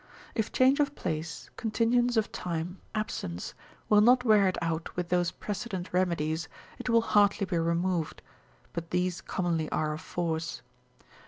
If change of place, continuance of time, absence, will not wear it out with those precedent remedies, it will hardly be removed: but these commonly are of force.